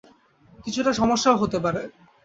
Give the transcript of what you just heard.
কিছুটা সমস্যাও হতে পারে।